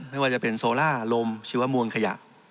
ไม่ว่าจะเป็นโซล่าลมชีวมวลขยะ